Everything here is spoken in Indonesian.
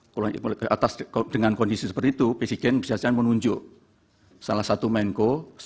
kalau dengan kondisi seperti itu presiden biasanya menunjuk salah satu menko